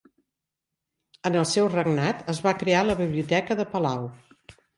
En el seu regnat es va crear la biblioteca de palau.